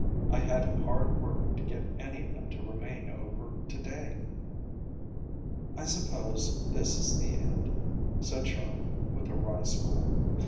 I had hard work to get any of them to remain over to day." "I suppose this is the end," said Charley, with a wry smile.